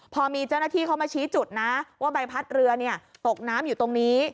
พอมีเจ้าหน้าที่เขามาชี้จุดนะว่าใบพัดเรือตกน้ำอยู่ตรงนี้